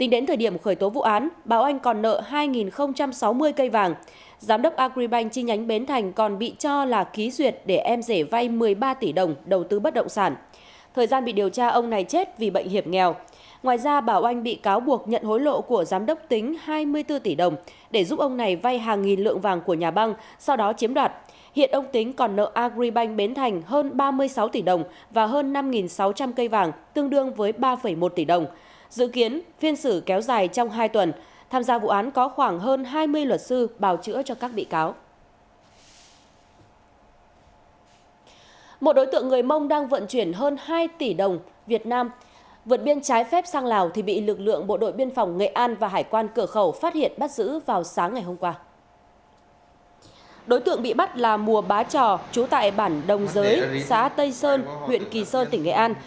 đối tượng bị bắt là mùa bá trò trú tại bản đồng giới xã tây sơn huyện kỳ sơn tỉnh nghệ an